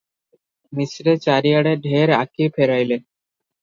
ମିଶ୍ରେ ଚାରିଆଡେ ଢେର ଆଖି ଫେରାଇଲେ ।